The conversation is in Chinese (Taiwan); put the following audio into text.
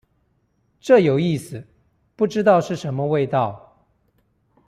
這有意思，不知道是什麼味道